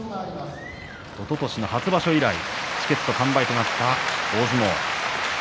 おととしの初場所以来チケット完売となった大相撲。